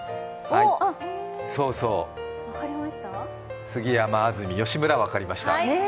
そうそう、杉山、安住、吉村分かりました。